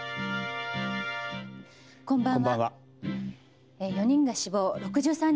こんばんは。